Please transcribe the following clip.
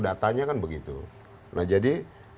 datanya kan begitu nah jadi